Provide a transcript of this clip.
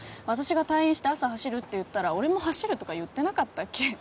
私が退院して朝走るって言ったら俺も走るとか言ってなかったっけ？